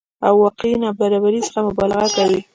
او واقعي نابرابرۍ څخه مبالغه کوي